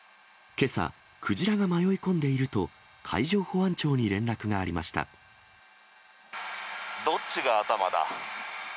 けさ、クジラが迷い込んでいると、どっちが頭だ？